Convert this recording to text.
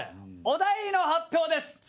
お題の発表です。